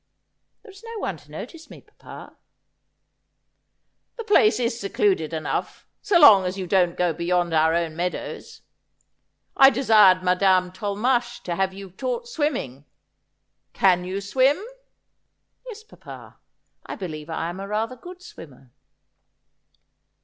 ' There is no one to notice me, papa.' ' The place is secluded enough, so long as you don't go beyond our own meadows. I desired Madame Tolmache to have you taught swimming. Can you swim ?'' Yes, papa. I believe I am a rather good swimmer.'